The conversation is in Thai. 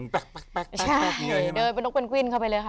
แป๊กแป๊กแป๊กแป๊กนี่ไงใช่ไหมใช่เดินไปนกเป็นกวิ่นเข้าไปเลยค่ะ